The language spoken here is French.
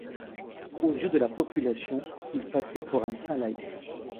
Aux yeux de la population, il passait pour un saint laïc.